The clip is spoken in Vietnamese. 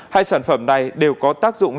hai sản phẩm này đều có tác dụng